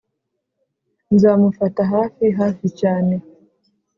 nzamufata hafi, hafi cyane!